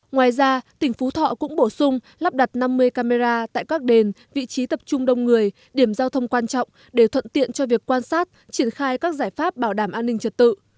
ngoài ra tỉnh phú thọ cũng bổ sung lắp đặt năm mươi camera tại các đền vị trí tập trung đông người điểm giao thông quan trọng để thuận tiện cho việc quan sát triển khai các giải pháp bảo đảm an ninh trật tự